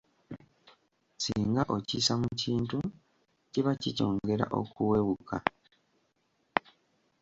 Singa okissa mu kintu kiba kikyongera okuwewuka.